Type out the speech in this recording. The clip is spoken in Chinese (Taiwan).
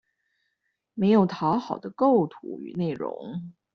沒有討好的構圖與內容